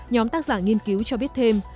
nhóm tác giả nghiên cứu cho biết thêm